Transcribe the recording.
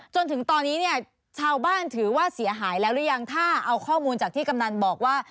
จนถึงตอนนี้เนี่ยชาวบ้านถือว่าเสียหายแล้วหรือยังถ้าเอาข้อมูลจากที่กำนันบอกว่า